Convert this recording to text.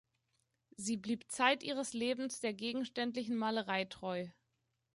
Sie blieb zeit ihres Lebens der gegenständlichen Malerei treu.